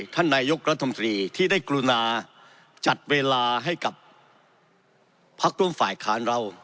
ท่านนายกรัฐมนตรีที่ได้กรุณาจัดเวลาให้กับพักร่วมฝ่ายค้านเรา